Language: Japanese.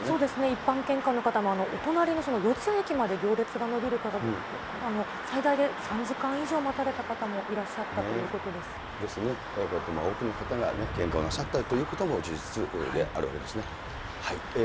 一般献花の方も、お隣の四ツ谷駅まで行列が延びる形、最大で３時間以上待たれた方ですね、こうやって多くの方が献花をなさったということも事実であるわけですね。